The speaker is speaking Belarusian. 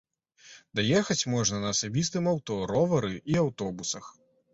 Даехаць можна на асабістым аўто, ровары і аўтобусах.